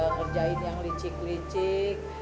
ngerjain yang licik licik